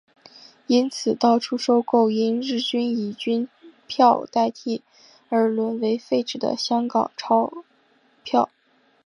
因此到处收购因日军以军票代替而沦为废纸的香港钞票。